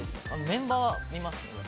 メンバーは見ますけど。